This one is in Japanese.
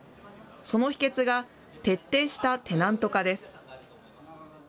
その秘けつが、徹底したテナント化です。